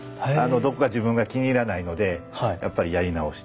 どこか自分が気に入らないのでやっぱりやり直して。